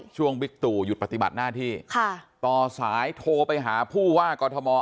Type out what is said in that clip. ช่วงบิ๊กตู่หยุดปฏิบัติหน้าที่ค่ะต่อสายโทรไปหาผู้ว่ากอร์ธมอร์